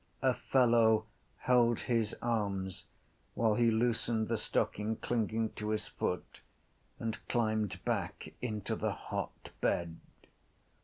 A fellow held his arms while he loosened the stocking clinging to his foot and climbed back into the hot bed.